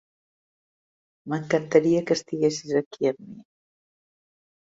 M'encantaria que estiguessis aquí amb mi!